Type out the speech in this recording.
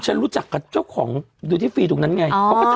ฉันรู้จักกับเจ้าของดูที่ฟรีตรงนั้นไง